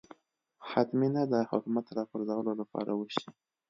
حتمي نه ده حکومت راپرځولو لپاره وشي